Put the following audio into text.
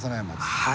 はい。